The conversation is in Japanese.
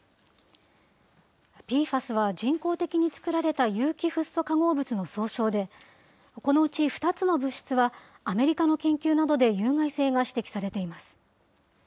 ＰＦＡＳは人工的に作られた有機フッ素化合物の総称で、このうち２つの物質は、アメリカの研究などで有害性が指摘されています。